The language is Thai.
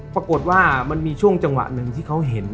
ปรากฏว่ามันมีช่วงจังหวะหนึ่งที่เขาเห็น